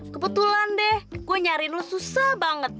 kebetulan deh gue nyariin lo susah banget